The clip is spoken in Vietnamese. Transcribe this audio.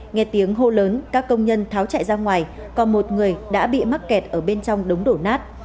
nghe tiếng hô lớn các công nhân tháo chạy ra ngoài còn một người đã bị mắc kẹt ở bên trong đống đổ nát